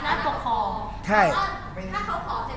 เจนรับรองบุตรคือเรื่องหนึ่งอำนาจปกครองคืออีกเรื่องหนึ่ง